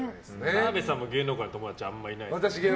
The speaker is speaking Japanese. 澤部さんも芸能界の友達あんまいないですよね。